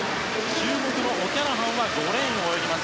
注目のオキャラハンは５レーンを泳ぎます。